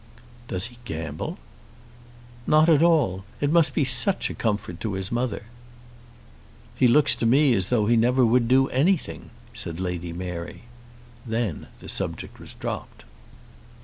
"Does he gamble?" "Not at all. It must be such a comfort to his mother!" "He looks to me as though he never would do anything," said Lady Mary. Then the subject was dropped.